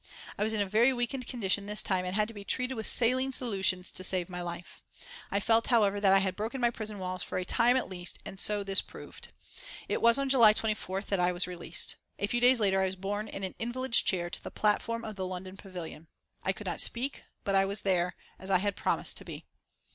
I was in a very weakened condition this time, and had to be treated with saline solutions to save my life. I felt, however, that I had broken my prison walls for a time at least, and so this proved. It was on July 24th that I was released. A few days later I was borne in an invalid's chair to the platform of the London Pavillion. I could not speak, but I was there, as I had promised to be.